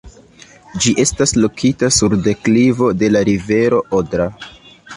Ĝi estas lokita sur deklivo de la rivero Odra.